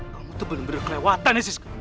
kamu tuh bener bener kelewatan ya sis